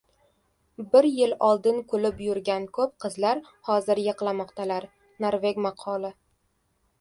Bir yil oldin kulib yurgan ko‘p qizlar hozir yig‘lamoqdalar. Norveg maqoli